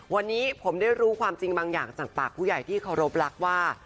วันนี้ผมได้รู้ความจริงบางอย่างจากปากผู้ใหญ่ที่เคารพรักว่า